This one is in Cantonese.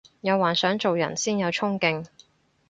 有幻想做人先有沖勁